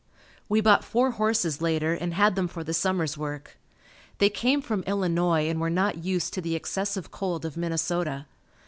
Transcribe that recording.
We bought four horses later and had them for the summer's work. They came from Illinois and were not used to the excessive cold of Minnesota.